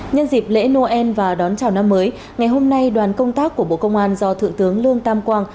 nhân dịp lễ noel và đón chào năm mới ngày hôm nay đoàn công tác của bộ công an do thượng tướng lương tam quang